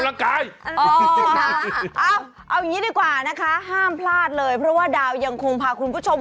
เอาอย่างนี้ดีกว่านะคะห้ามพลาดเลยเพราะว่าดาวยังคงพาคุณผู้ชม